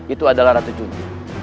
itu adalah ratu cundi